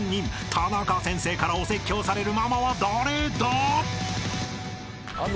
［タナカ先生からお説教されるママは誰だ？］